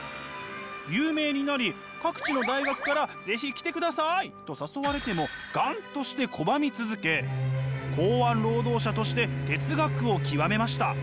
有名になり各地の大学から是非来てくださいと誘われても頑として拒み続け港湾労働者として哲学を究めました。